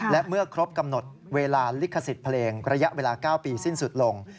และเมื่อครบกำหนดเวลาลิขสิทธิ์เพลงระยะเวลา๙ปีสิ้นสุดลง